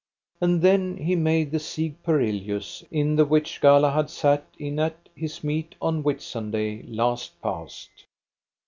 And then he made the Siege Perilous, in the which Galahad sat in at his meat on Whitsunday last past.